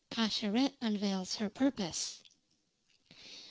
PASCHERETTE UNVEILS HER PURPOSE.